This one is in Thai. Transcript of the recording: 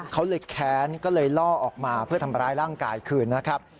เขาเลยแค้นก็เลยล่อออกมาเพื่อทำร้ายร่างกายคืนนะครับ